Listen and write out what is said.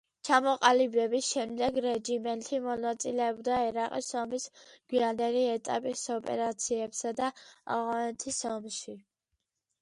ჩამოყალიბების შემდეგ რეჯიმენთი მონაწილეობდა ერაყის ომის გვიანდელი ეტაპის ოპერაციებსა და ავღანეთის ომში.